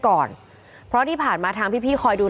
ก็เป็นสถานที่ตั้งมาเพลงกุศลศพให้กับน้องหยอดนะคะ